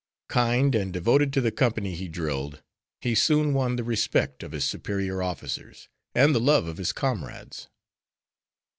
Kind and devoted to the company he drilled, he soon won the respect of his superior officers and the love of his comrades.